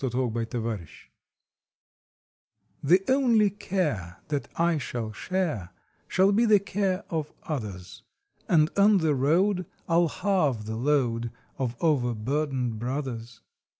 A USEFUL WHIM FHE only care 1 That I shall share Shall be the care of others, And on the road I ll halve the load Of overburdened brothers.